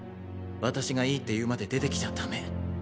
私がいいって言うまで出てきちゃダメ。